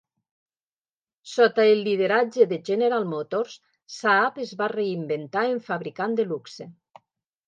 Sota el lideratge de General Motors, Saab es va reinventar en fabricant de luxe.